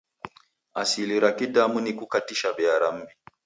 Asili ya Kidamu ni kukatisha bea ra m'mbi.